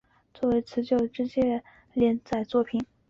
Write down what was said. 此作为作者久慈进之介的首部连载作品。